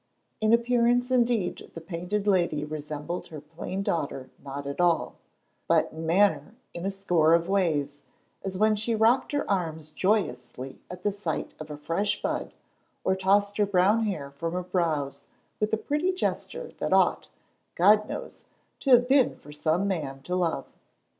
In appearance indeed the Painted Lady resembled her plain daughter not at all, but in manner in a score of ways, as when she rocked her arms joyously at sight of a fresh bud or tossed her brown hair from her brows with a pretty gesture that ought, God knows, to have been for some man to love.